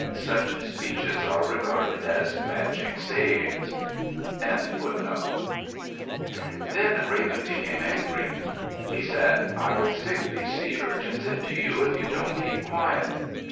Such speeches are regarded as magic sayings. Then Raven became angry. He said, "I will stick these sea urchins into you if you don't keep quiet."